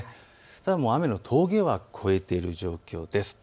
ただ雨の峠は越えている状況です。